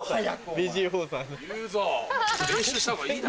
はい。